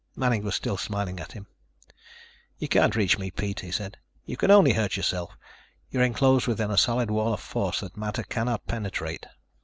Manning was still smiling at him. "You can't reach me, Pete," he said. "You can only hurt yourself. You're enclosed within a solid wall of force that matter cannot penetrate."